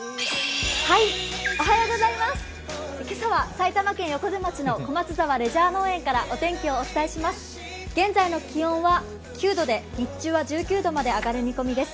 今朝は埼玉県横瀬町の小松沢レジャー農園からお天気をお伝えします。